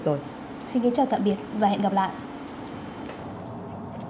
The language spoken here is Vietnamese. xin kính chào tạm biệt và hẹn gặp lại